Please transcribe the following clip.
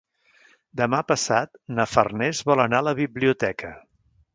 Demà passat na Farners vol anar a la biblioteca.